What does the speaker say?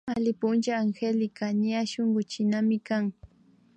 Alli puncha Angélica ña shunkullinamikan